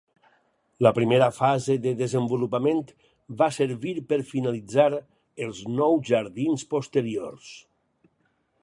La primera fase de desenvolupament va servir per finalitzar els nou jardins posteriors.